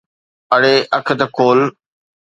اڙي اک تہ کول.